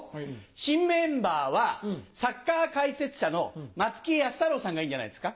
新メンバーはサッカー解説者の松木安太郎さんがいいんじゃないですか？